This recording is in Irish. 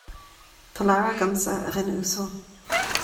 Tá leabhar agamsa, a dhuine uasail